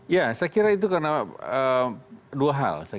ya saya kira itu karena dua hal